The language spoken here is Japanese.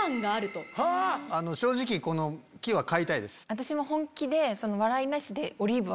私も本気で。